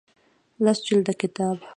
لس جلده کتاب